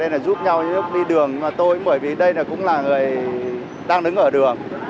đây là giúp nhau giúp đi đường mà tôi cũng bởi vì đây là cũng là người đang đứng ở đường